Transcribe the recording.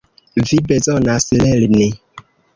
Vi bezonas lerni.